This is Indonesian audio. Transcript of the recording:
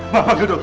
makan dulu dokter